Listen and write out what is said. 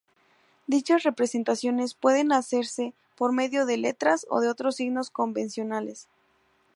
Dichas representaciones pueden hacerse por medio de letras o de otros signos convencionales.